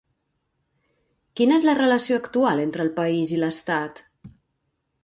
Quina és la relació actual entre el país i l'Estat?